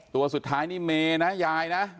ตัวสุดท้ายนี่เมนะยายนะ